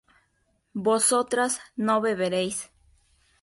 vosotras no beberéis